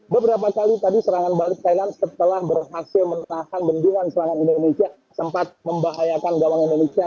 beberapa kali tadi serangan balik thailand setelah berhasil menahan bendungan serangan indonesia sempat membahayakan gawang indonesia